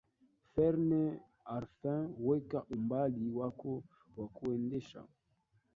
Ferne Arfin Weka umbali wako wa kuendesha